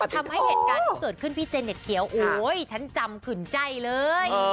ทำให้เหตุการณ์ที่เกิดขึ้นพี่เจเน็ตเขียวโอ๊ยฉันจำขื่นใจเลย